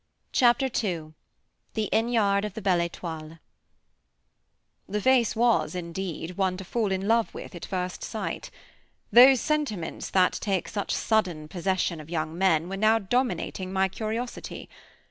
Chapter II THE INN YARD OF THE BELLE ÉTOILE The face was, indeed, one to fall in love with at first sight. Those sentiments that take such sudden possession of young men were now dominating my curiosity.